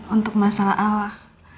untuk masalah allah